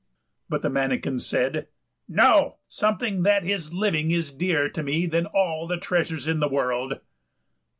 But the manikin said, "No, something that is living is dearer to me than all the treasures in the world."